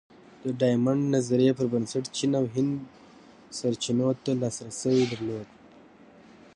د ډایمونډ نظریې پر بنسټ چین او هند سرچینو ته لاسرسی درلود.